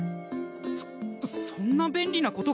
そそんな便利なことが！？